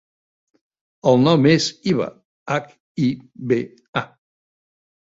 El nom és Hiba: hac, i, be, a.